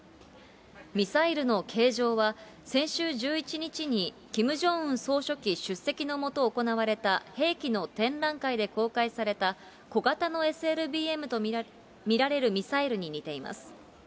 ミサイルの形状は、先週１１日に、キム・ジョンウン総書記出席のもと行われた兵器の展覧会で公開された、小型のＳＬＢＭと見られるミサイルに似ています。